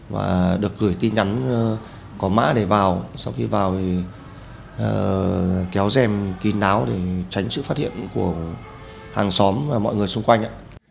và được gửi tin nhắn có mã để vào sau khi vào thì kéo dèm kinh đáo để tránh sự phát hiện của hàng xóm và mọi người xung quanh